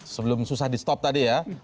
sebelum susah di stop tadi ya